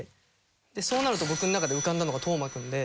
そうなると僕の中で浮かんだのが斗真君で。